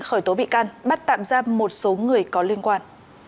khởi tố bị can bắt tạm giam một số người có liên quan